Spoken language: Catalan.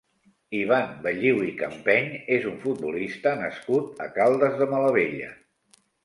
Ivan Balliu i Campeny és un futbolista nascut a Caldes de Malavella.